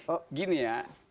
oh gini ya